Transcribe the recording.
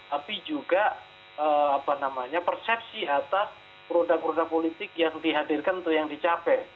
tapi juga persepsi atas produk produk politik yang dihadirkan atau yang dicapai